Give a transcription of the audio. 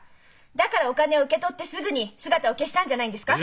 だからお金を受け取ってすぐに姿を消したんじゃないんですか！？